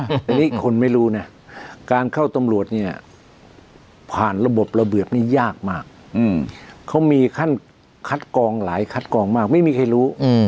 อันนี้คนไม่รู้นะการเข้าตำรวจเนี่ยผ่านระบบระเบียบนี้ยากมากเขามีขั้นคัดกองหลายคัดกองมากไม่มีใครรู้